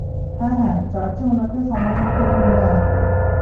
হ্যাঁ হ্যাঁ, চার্চে উনাকে সময়মত নিয়ে আসবে!